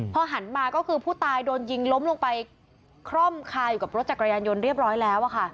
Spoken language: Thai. พอหันมาก็คือผู้ตายโดนยิงล้มลงไปคร่อมคาอยู่กับรถจักรยานยนต์เรียบร้อยแล้วค่ะ